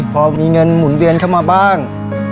พอมีเงินหมุนเวียนเข้ามาบ้าง